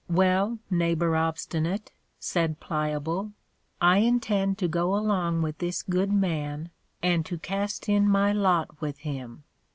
Well, Neighbor Obstinate, said Pliable, I intend to go along with this good man, and to cast in my lot with him.